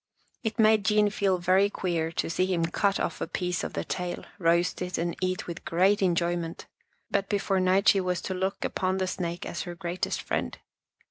It made Jean feel very queer to see him cut off a piece of the tail, roast it and eat with great enjoyment, but before night she was to look upon the snake as her greatest friend.